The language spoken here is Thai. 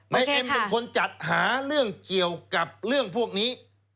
นายเอ็มเป็นคนจัดหาเรื่องเกี่ยวกับเรื่องพวกนี้